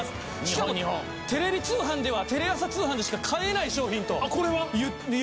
しかもテレビ通販ではテレ朝通販でしか買えない商品という事なんです。